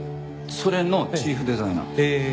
それのチーフデザイナー。